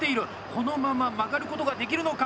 このまま曲がることができるのか？